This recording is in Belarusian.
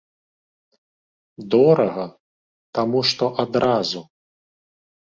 Дорага, таму што адразу.